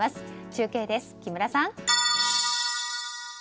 中継です、木村さん。